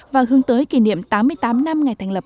và hướng tới kỷ niệm tám mươi tám năm ngày thành lập